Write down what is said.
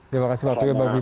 terima kasih pak tugik pak bu